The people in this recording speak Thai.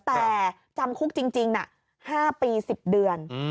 แต่จำคุกจริง๕ปี๑๐เดือน